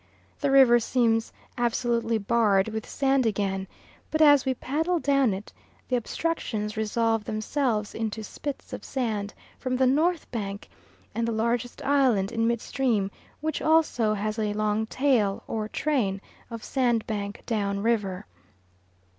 The river seems absolutely barred with sand again; but as we paddle down it, the obstructions resolve themselves into spits of sand from the north bank and the largest island in mid stream, which also has a long tail, or train, of sandbank down river.